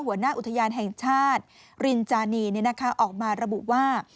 หัวหน้าอุทยานแห่งชาติรินจานีออกมาระบุว่า